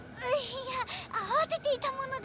いや慌てていたもので。